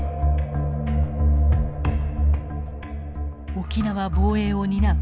沖縄防衛を担う